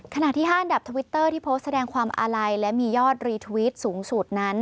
ขณะที่๕อันดับทวิตเตอร์ที่โพสต์แสดงความอาลัยและมียอดรีทวิตสูงสุดนั้น